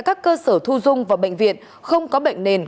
điều trị tại các cơ sở thu dung và bệnh viện không có bệnh nền